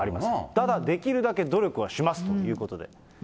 ただ、できるだけ努力はしますということで。